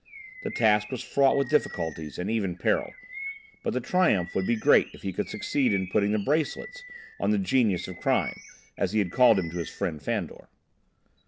The task was fraught with difficulties and even peril. But the triumph would be great if he should succeed in putting the "bracelets" on the "genius of crime," as he had called him to his friend Fandor.